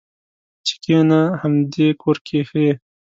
چې کېنه همدې کور کې ښه یې.